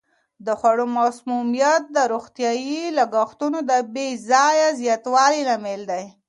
د خوړو مسمومیت د روغتیايي لګښتونو د بې ځایه زیاتوالي لامل دی.